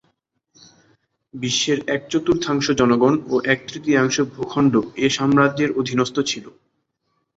বিশ্বের এক চতুর্থাংশ জনগণ ও এক-ত্রৃতীয়াংশ ভূখণ্ড এ সাম্রাজ্যের অধীনস্থ ছিল।